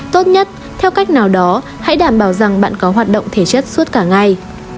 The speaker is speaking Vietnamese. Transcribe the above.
tốt nhất theo cách nào đó hãy đảm bảo rằng bạn có hoạt động thể chất suốt cả ngày